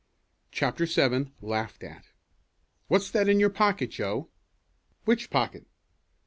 CHAPTER VII LAUGHED AT "What's that in your pocket, Joe?" "Which pocket?"